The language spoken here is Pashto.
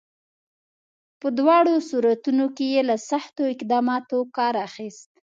په دواړو صورتونو کې یې له سختو اقداماتو کار اخیست.